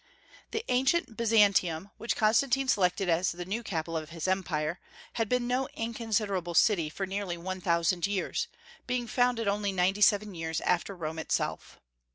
The ancient Byzantium, which Constantine selected as the new capital of his Empire, had been no inconsiderable city for nearly one thousand years, being founded only ninety seven years after Rome itself.